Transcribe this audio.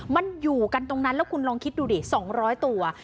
มันอยู่กันตรงนั้นแล้วคุณลองคิดดูดิ๒๐๐ตัว